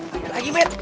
ada lagi med